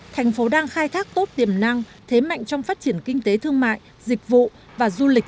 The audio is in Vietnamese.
thành phố đang khai thác tốt tiềm năng thế mạnh trong phát triển kinh tế thương mại dịch vụ và du lịch